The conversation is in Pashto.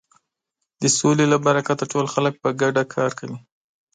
د سولې له برکته ټول خلک په ګډه کار کوي.